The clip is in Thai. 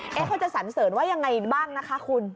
เขาจะสันเสริญว่ายังไงบ้างนะคะคุณ